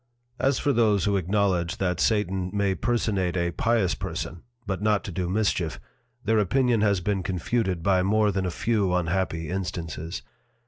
_ As for those who acknowledge that Satan may personate a pious Person, but not to do mischief, their Opinion has been confuted by more than a few unhappy Instances.